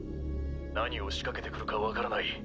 何を仕掛けてくるか分からない。